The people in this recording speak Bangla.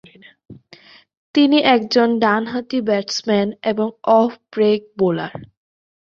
তিনি একজন ডানহাতি ব্যাটসম্যান এবং অফ ব্রেক বোলার।